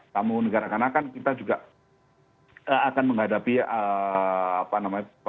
tamu negara karena kan kita juga akan menghadapi apa namanya